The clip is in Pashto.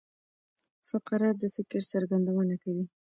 فقره د فکر څرګندونه کوي.